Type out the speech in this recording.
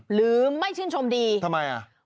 หรือไม่ชื่นชมดีทำไมอ่ะ